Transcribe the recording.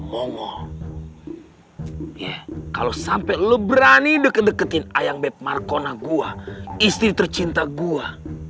mongol kalau sampai lu berani deket deketin ayam betah markona gua istri tercinta gua